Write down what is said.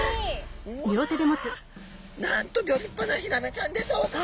なんとギョ立派なヒラメちゃんでしょうか！